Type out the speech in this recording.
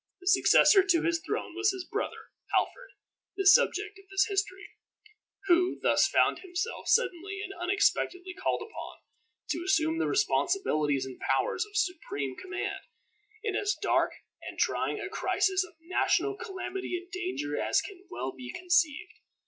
The successor to his throne was his brother Alfred, the subject of this history, who thus found himself suddenly and unexpectedly called upon to assume the responsibilities and powers of supreme command, in as dark and trying a crisis of national calamity and danger as can well be conceived.